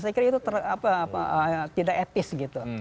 saya kira itu tidak etis gitu